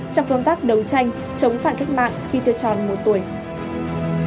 trong công tác đấu tranh chống phản cách mạng khi chưa tròn một tuổi